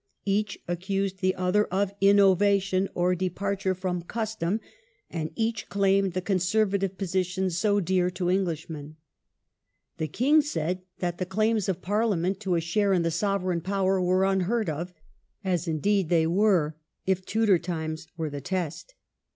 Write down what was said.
Each accused arguments, the other of "innovation", or departure from custom, 6 WHAT ENGLAND HAD TO LEARN. and each claimed the conservative position so dear to Englishmen. The king said that the claims of Parliament to a share in the sovereign power were unheard of, as indeed they were, if Tudor times were the test.